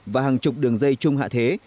và hàng chục đường dây chung hạ thế